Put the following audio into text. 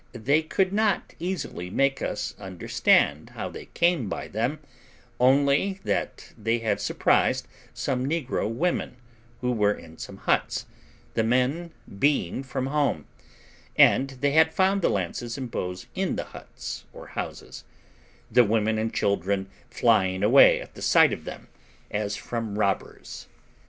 They could not easily make us understand how they came by them, only that they had surprised some negro women, who were in some huts, the men being from home, and they had found the lances and bows in the huts, or houses, the women and children flying away at the sight of them, as from robbers.